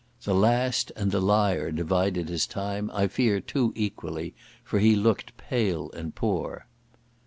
The last and the lyre divided his time, I fear too equally, for he looked pale and poor.